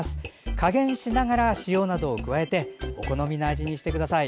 加減しながら塩を加えてお好みの味にしてください。